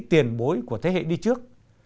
tiền bối của thế hệ đi trước